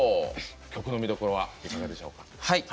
曲の見どころはいかがでしょう。